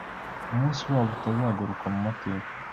umunsi wabo utazagaruka mumateka.